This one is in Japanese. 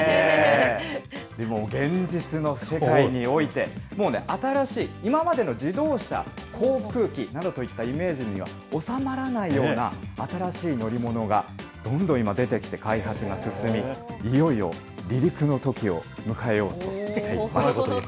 でも現実の世界において、もうね、新しい、今までの自動車、航空機などといったイメージには収まらないような新しい乗り物がどんどん今、出てきて、開発が進み、いよいよ離陸の時を迎えようとしています。